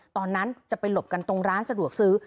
ตอนนั้นจะไปหลบกันตรงร้านสะดวกซื้อ